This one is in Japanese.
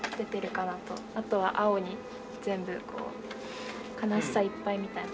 あとは青に全部こう悲しさいっぱいみたいな。